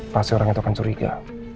pasti orang itu akan curiga